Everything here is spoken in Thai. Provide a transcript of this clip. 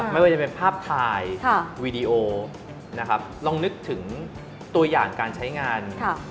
ไม่ว่าจะเป็นภาพถ่ายวีดีโอนะครับลองนึกถึงตัวอย่างการใช้งาน